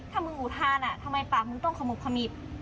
จะได้ไม่ต้องขมุบขมิบ